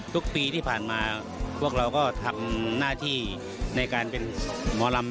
ทุกปีที่ผ่านมาพวกเราก็ทำหน้าที่ในการเป็นหมอลำ